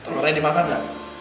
telurnya dimakan ga